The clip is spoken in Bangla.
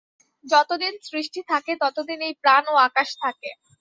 যতদিন সৃষ্টি থাকে, ততদিন এই প্রাণ ও আকাশ থাকে।